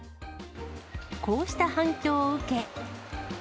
こうした反響を受け。